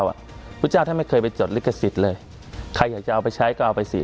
พระพุทธเจ้าท่านไม่เคยไปจดลิขสิทธิ์เลยใครอยากจะเอาไปใช้ก็เอาไปสิ